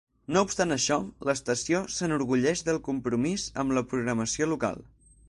No obstant això, l'estació s'enorgulleix del compromís amb la programació local.